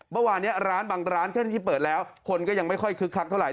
เมื่อวานนี้ร้านบางร้านแค่ที่เปิดแล้วคนก็ยังไม่ค่อยคึกคักเท่าไ